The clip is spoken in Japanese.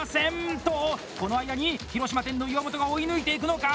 と、この間に広島店の岩本が追い抜いていくのか！？